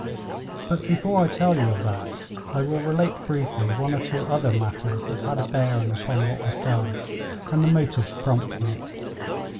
But before I tell you of that I will relate briefly one or two other matters that had a bearing upon what was done, and the motives prompting it.